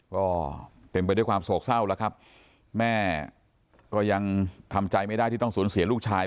ก็เต็มไปด้วยความโศกเศร้าแล้วครับแม่ก็ยังทำใจไม่ได้ที่ต้องสูญเสียลูกชาย